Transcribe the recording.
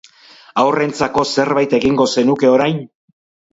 Haurrentzako zerbait egingo zenuke orain?